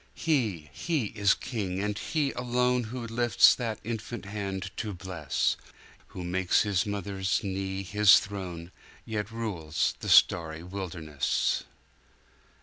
He, He is King, and He alone Who lifts that infant hand to bless; Who makes His mother's knee His throne, Yet rules the starry wilderness.